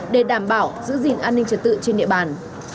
để đảm bảo giữ gìn an ninh trật tự trên địa bàn